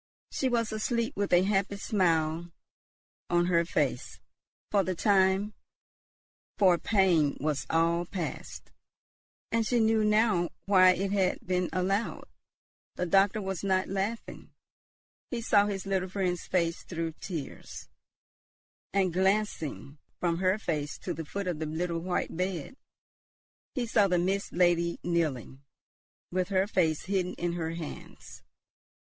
She was asleep, with a happy smile on her face; for the time for pain was all past, and she knew now why it had been allowed. The doctor was not laughing; he saw his little friend's face through tears; and, glancing from her face to the foot of the little white bed, he saw the Mist Lady kneeling, with her face hidden in her hands.